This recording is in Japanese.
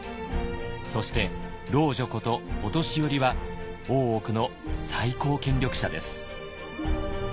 そして「老女」こと「御年寄」は大奥の最高権力者です。